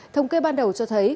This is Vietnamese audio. thông kê ban đầu cho thấy